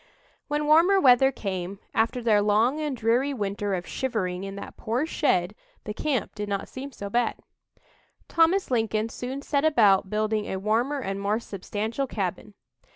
When warmer weather came, after their "long and dreary winter" of shivering in that poor shed, the "camp" did not seem so bad. Thomas Lincoln soon set about building a warmer and more substantial cabin.